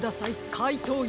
かいとうＵ！